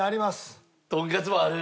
とんかつもある？